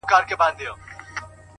د شنو طوطیانو د کلونو کورګی،